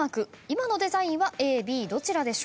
今のデザインはＡＢどちらでしょう？